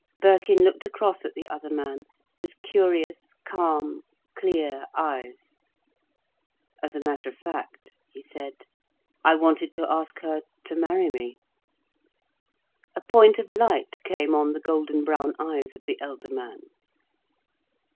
Birkin looked across at the other man with curious calm, clear eyes. "As a matter of fact," he said, "I wanted to ask her to marry me." A point of light came on the golden brown eyes of the elder man.